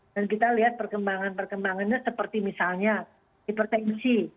dan kita lihat perkembangan perkembangannya seperti misalnya hipertensi